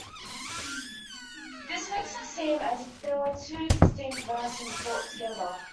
This makes it seem as if there were two distinct verses brought together.